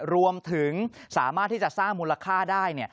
รวมถึงสามารถที่จะสร้างมูลค่าได้